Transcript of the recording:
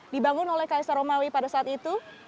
dibangun oleh kaisar romawi pada saat itu